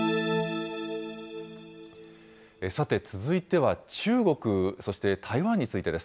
さて続いては中国、そして台湾についてです。